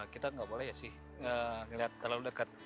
kita nggak boleh sih melihat terlalu dekat